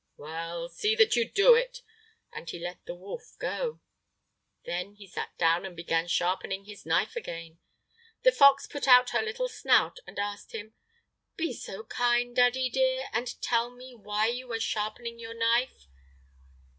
"Well, see that you do it," and he let the wolf go. Then he sat down, and began sharpening his knife again. The fox put out her little snout, and asked him: "Be so kind, dear daddy, and tell me why you are sharpening your knife?"